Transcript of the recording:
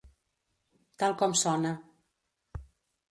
Tal com sona.